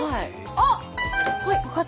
あっ！